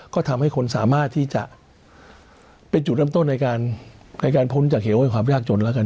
ก็ทำให้คนสามารถที่จะเป็นจุดเริ่มต้นในการพ้นจากเหวให้ความยากจนแล้วกัน